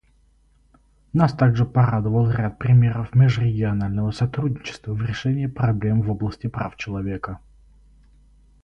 Нас также порадовал ряд примеров межрегионального сотрудничества в решении проблем в области прав человека.